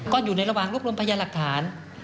ก็อยู่ในระหว่างรวบรวมพยานหลักฐาน